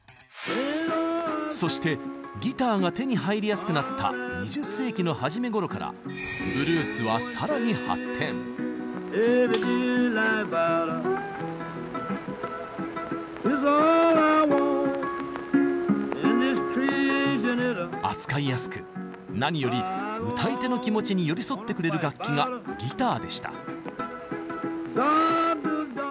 そしてギターが手に入りやすくなった２０世紀の初めごろからブルースは扱いやすく何より歌い手の気持ちに寄り添ってくれる楽器がギターでした。